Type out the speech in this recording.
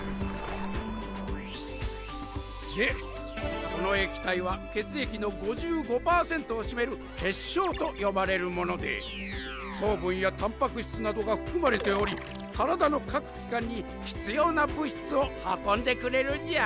でこの液体は血液の５５パーセントを占める血漿と呼ばれるもので糖分やタンパク質などが含まれており体の各機関に必要な物質を運んでくれるんじゃ。